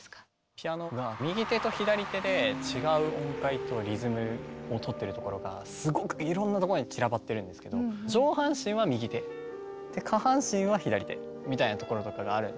ピアノが右手と左手で違う音階とリズムをとってるところがすごくいろんなところに散らばってるんですけど上半身は右手下半身は左手みたいなところとかがあるんですよね。